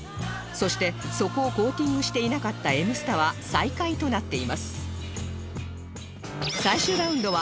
そして底をコーティングしていなかったエムスタは最下位となっています